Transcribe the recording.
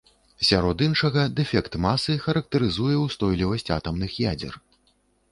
Сярод іншага, дэфект масы характарызуе ўстойлівасць атамных ядзер.